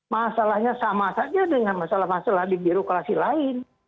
masalahnya sama saja dengan masalah masalah di birokrasi lain